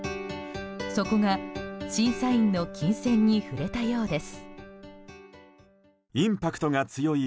そこが審査員の琴線に触れたようです。